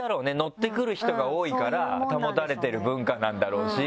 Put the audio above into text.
ッてくる人が多いから保たれてる文化なんだろうし。